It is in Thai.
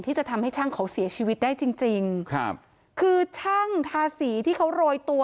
ที่จะทำให้ช่างเขาเสียชีวิตได้จริงจริงครับคือช่างทาสีที่เขาโรยตัว